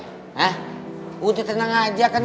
hah udah tenang aja kan